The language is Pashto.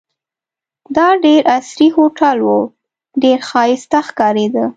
دا ډېر عصري هوټل وو، ډېر ښایسته ښکارېده.